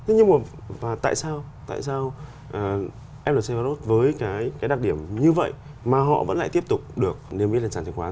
nhưng mà tại sao mlc faros với cái đặc điểm như vậy mà họ vẫn lại tiếp tục được niêm yết lên sản chứng khoán